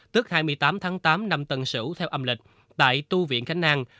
tức hai mươi tám tháng tám năm tần sửu theo âm lịch tại tu viện khánh nang